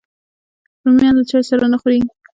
رومیان له چای سره نه خوري